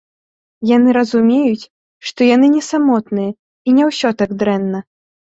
Яны разумеюць, што яны не самотныя і не ўсё так дрэнна.